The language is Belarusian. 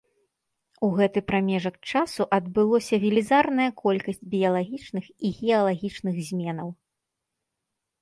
У гэты прамежак часу адбылося велізарная колькасць біялагічных і геалагічных зменаў.